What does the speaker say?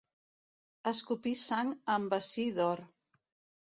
Escopir sang en bací d'or.